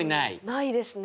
ないですね。